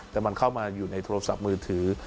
แต่มันเข้ามาอยู่ในโทรศัพท์มือถือ